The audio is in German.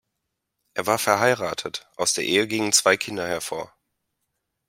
Er war verheiratet, aus der Ehe gingen zwei Kinder hervor.